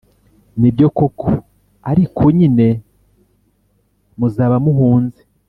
Ni byo koko, ariko nyine muzaba muhunze.